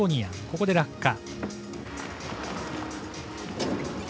ここで落下。